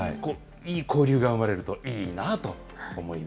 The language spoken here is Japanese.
いい交流が生まれるといいなと思い